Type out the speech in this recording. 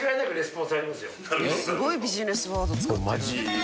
すごいビジネスワード使ってる。